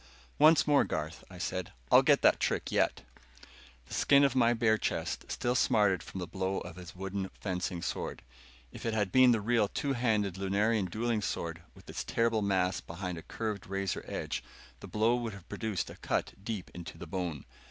"Once more, Garth," I said. "I'll get that trick yet." The skin of my bare chest still smarted from the blow of his wooden fencing sword. If it had been the real two handed Lunarian dueling sword, with its terrible mass behind a curved razor edge, the blow would have produced a cut deep into the bone.